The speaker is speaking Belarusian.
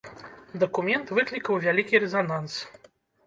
Дакумент выклікаў вялікі рэзананс.